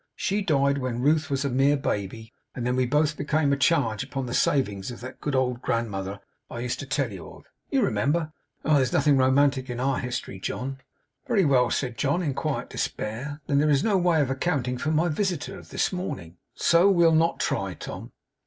She died when Ruth was a mere baby, and then we both became a charge upon the savings of that good old grandmother I used to tell you of. You remember! Oh! There's nothing romantic in our history, John.' 'Very well,' said John in quiet despair. 'Then there is no way of accounting for my visitor of this morning. So we'll not try, Tom.